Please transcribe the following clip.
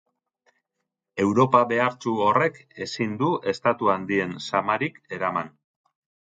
Europa behartsu horrek ezin du estatu handien zamarik eraman.